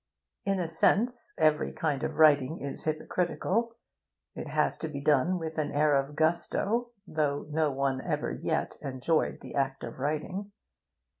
In a sense, every kind of writing is hypocritical. It has to be done with an air of gusto, though no one ever yet enjoyed the act of writing.